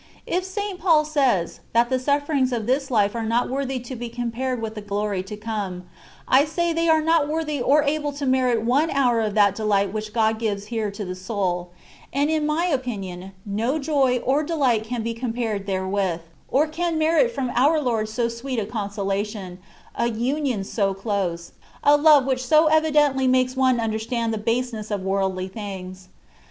If St. Paul says, that the sufferings of this life are not worthy to be compared with the glory to come, I say they are not worthy nor able to merit one hour of that 256 CONCEPTIONS OF DIVINE LOVE, delight which God gives here to the soul ; and in my opinion, no joy or delight can be compared therewith, or can merit from our Lord so sweet a consolation, a union so close, a love which so evidently makes one understand the baseness of worldly things.